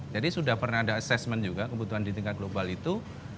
jadi sudah pernah ada assessment juga kebutuhan di tingkat global itu